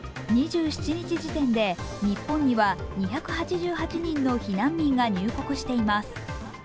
２７日時点で日本には２８８人の避難民が入国しています。